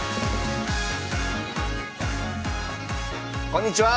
こんにちは。